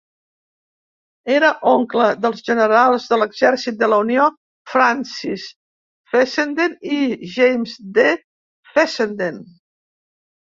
Era oncle dels generals de l'Exèrcit de la Unió Francis Fessenden i James D. Fessenden.